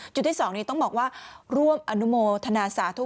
ที่๒นี้ต้องบอกว่าร่วมอนุโมทนาสาธุ